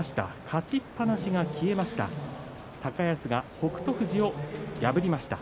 勝ちっぱなしが消えました。